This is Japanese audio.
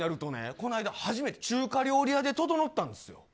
この間、初めて中華料理屋でととのうたんです。